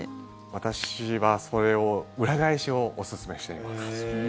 私はそれを、裏返しをおすすめしています。